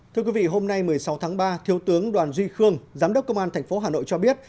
thưa quý vị hôm nay một mươi sáu tháng ba thiếu tướng đoàn duy khương giám đốc công an tp hà nội cho biết